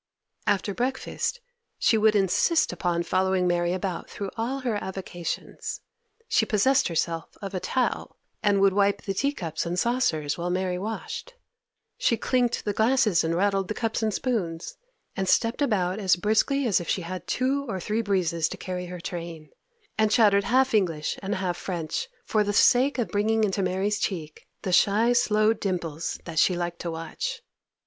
After breakfast she would insist upon following Mary about through all her avocations. She possessed herself of a towel, and would wipe the teacups and saucers while Mary washed. She clinked the glasses and rattled the cups and spoons, and stepped about as briskly as if she had two or three breezes to carry her train; and chattered half English and half French, for the sake of bringing into Mary's cheek the shy, slow dimples that she liked to watch.